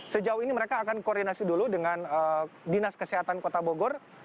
sejauh ini mereka akan koordinasi dulu dengan dinas kesehatan kota bogor